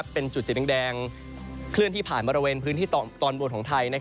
เป็นจุดสีแดงเคลื่อนที่ผ่านบริเวณพื้นที่ตอนบนของไทย